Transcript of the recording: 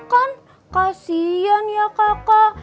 kan kasian ya kakak